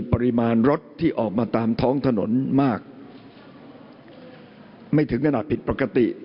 ปริมาณรถที่ออกมาตามท้องถนนมากไม่ถึงขนาดผิดปกติ